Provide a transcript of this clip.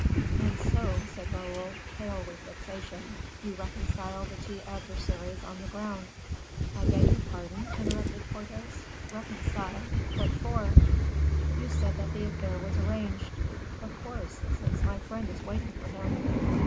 "And so," said Raoul, pale with vexation, "you reconcile the two adversaries on the ground." "I beg your pardon," interrupted Porthos. "Reconcile! What for?" "You said that the affair was arranged." "Of course! since my friend is waiting for him."